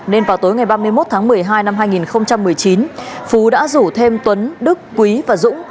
nên vào tối ngày ba mươi một tháng một mươi hai năm hai nghìn một mươi chín phú đã rủ thêm tuấn đức quý và dũng